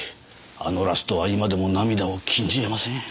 あのラストは今でも涙を禁じ得ません。